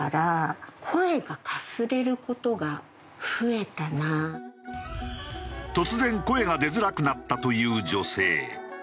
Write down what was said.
やっぱり突然声が出づらくなったという女性。